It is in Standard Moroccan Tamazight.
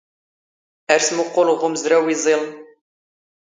ⴰⵔ ⵙⵎⵓⵇⵇⵓⵍⵖ ⵖ ⵓⵎⵣⵔⴰⵡ ⵉⵥⵉⵍⵏ.